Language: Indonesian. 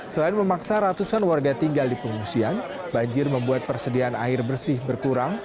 selain memaksa ratusan warga tinggal di pengungsian banjir membuat persediaan air bersih berkurang